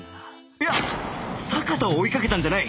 いや坂田を追いかけたんじゃない